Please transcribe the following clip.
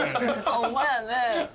ホンマやね。